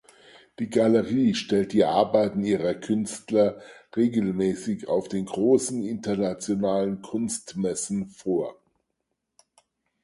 Die Galerie stellt die Arbeiten ihrer Künstler regelmäßig auf den großen internationalen Kunstmessen vor.